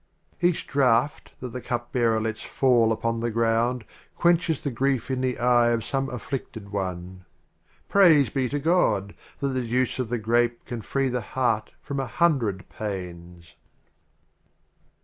XXXIX. Each Draught that the Cup Bearer lets fall upon the Ground Quenches the Grief in the Eye of some Afflidted One. Praise be to God! that the Juice of the Grape Can free the Heart from a Hundred Pains